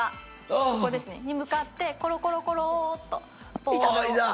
ここですね。に向かってコロコロコロっとボールを。